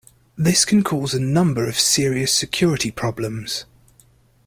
This can cause a number of serious security problems.